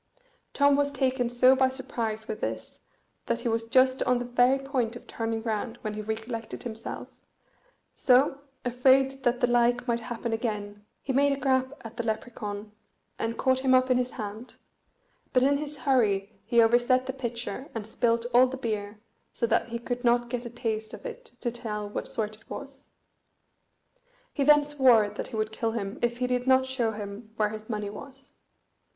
Tom was taken so by surprise with this that he was just on the very point of turning round when he recollected himself; so, afraid that the like might happen again, he made a grab at the Lepracaun, and caught him up in his hand; but in his hurry he overset the pitcher, and spilt all the beer, so that he could not get a taste of it to tell what sort it was. He then swore that he would kill him if he did not show him where his money was.